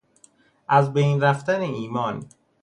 از بین رفتن ایمان